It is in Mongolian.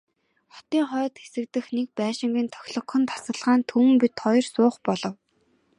Хотын хойд хэсэг дэх нэг байшингийн тохилогхон тасалгаанд Түмэн бид хоёр суух болов.